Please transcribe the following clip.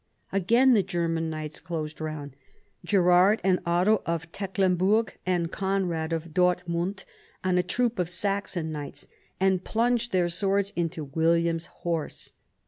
Again the German knights closed round — Gerard and Otto of Tecklemburg and Conrad of Dortmund and a troop of Saxon knights — and plunged their swords into William's horse.